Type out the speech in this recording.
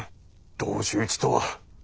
同士討ちとは。